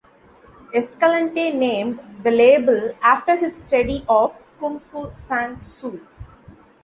Escalante named the label after his study of Kung Fu San Soo.